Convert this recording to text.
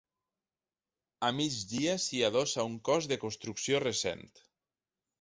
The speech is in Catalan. A migdia s'hi adossa un cos de construcció recent.